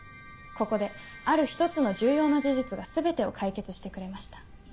ここである一つの重要な事実が全てを解決してくれました。